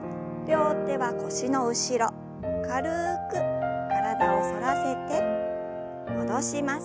両手は腰の後ろ軽く体を反らせて戻します。